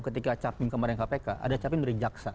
ketika capim kemarin kpk ada capim dari jaksa